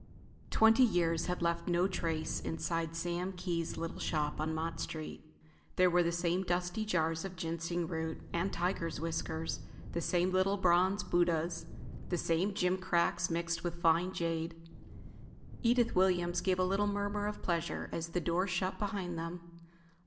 wenty years had left no trace inside Sam Kee's little shop on Mott Street. There were the same dusty jars of ginseng root and tigers' whiskers, the same little bronze Buddahs, the same gim cracks mixed with fine jade. Edith Williams gave a little murmur of pleasure as the door shut behind them.